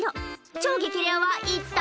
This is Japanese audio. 超激レアは一体！？